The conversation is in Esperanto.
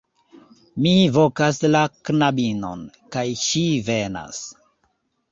Mi vokas la knabinon, kaj ŝi venas.